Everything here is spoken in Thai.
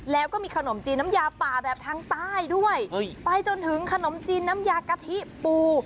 แล้วก็มีขนมจีนน้ำยาป่าแบบทางใต้ด้วยไปจนถึงขนมจีนน้ำยากะทิปู